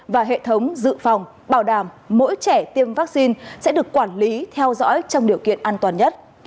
và hệ thống dự phòng bảo đảm mỗi trẻ tiêm vaccine sẽ được quản lý theo dõi trong điều kiện an toàn nhất